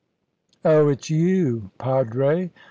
"Oh, it's you, padre!"